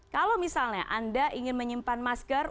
kalau misalnya anda ingin menyimpan masker